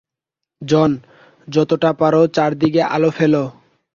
জন, যতটা পারো চারদিকে আলো ফেলো।